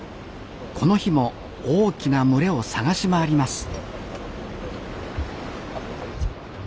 この日も大きな群れを探し回ります